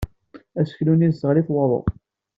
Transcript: Aseklu-nni yesseɣli-t waḍu.